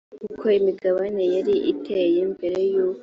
uko imigabane yari iteye mbere y uko